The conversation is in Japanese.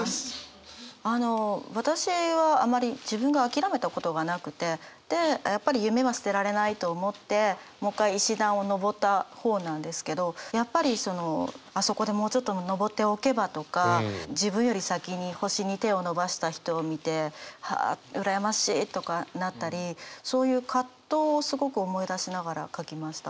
あの私はあまり自分が諦めたことがなくてでやっぱり夢は捨てられないと思ってもう一回石段を上った方なんですけどやっぱりそのあそこでもうちょっと上っておけばとか自分より先に星に手を伸ばした人を見てあ羨ましいとかなったりそういう葛藤をすごく思い出しながら書きました。